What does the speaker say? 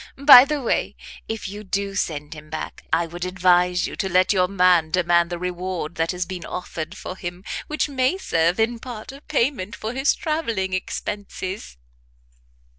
By the way, if you do send him back, I would advise you to let your man demand the reward that has been offered for him, which may serve in part of payment for his travelling expenses."